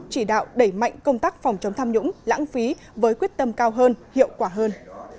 chỉ đạo đẩy mạnh công tác phòng chống tham nhũng lãng phí với quyết tâm cao hơn hiệu quả hơn